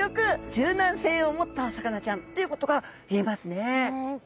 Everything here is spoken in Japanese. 柔軟性を持ったお魚ちゃんということが言えますね。